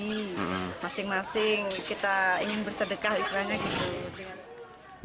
masing masing kita ingin bersedekah istrinya gitu